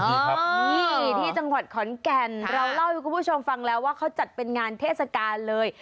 นี่ครับนี่ที่จังหวัดขอนแก่นเราเล่าให้คุณผู้ชมฟังแล้วว่าเขาจัดเป็นงานเทศกาลเลย